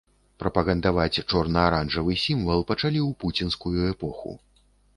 Прапагандаваць чорна-аранжавы сімвал пачалі ў пуцінскую эпоху.